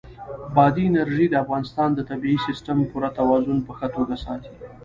بادي انرژي د افغانستان د طبعي سیسټم پوره توازن په ښه توګه ساتي.